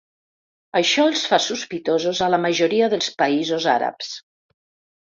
Això els fa sospitosos a la majoria dels països àrabs.